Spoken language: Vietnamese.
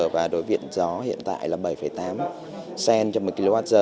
và đối với điện gió hiện tại là bảy tám cent cho một kwh